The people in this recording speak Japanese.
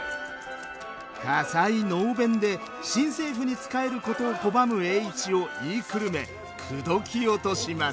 で新政府に仕えることを拒む栄一を言いくるめ口説き落とします。